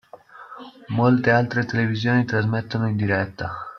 Molte altre televisioni trasmettono in diretta.